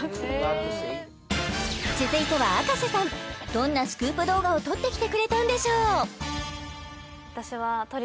どんなスクープ動画を撮ってきてくれたんでしょう？